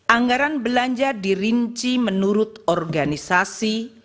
anggaran belanja dirinci menurut organisasi fungsi jenis dan program belanja